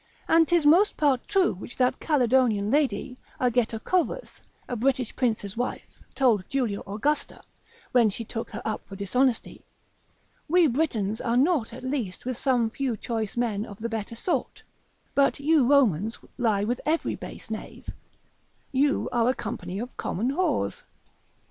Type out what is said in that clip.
And 'tis most part true which that Caledonian lady, Argetocovus, a British prince's wife, told Julia Augusta, when she took her up for dishonesty, We Britons are naught at least with some few choice men of the better sort, but you Romans lie with every base knave, you are a company of common whores.